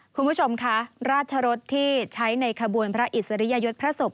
คุณผู้ชมคะราชรสที่ใช้ในขบวนพระอิสริยยศพระศพ